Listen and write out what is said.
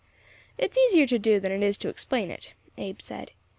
"It's easier to do than it is to explain it," Abe said.